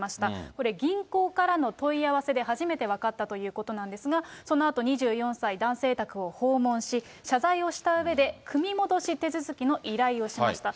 これ、銀行からの問い合わせで初めて分かったということなんですが、そのあと、２４歳男性宅を訪問し、謝罪をしたうえで、組み戻し手続きの依頼をしました。